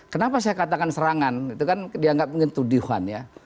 kenapa saya katakan serangan itu kan dianggap pengetuduhan ya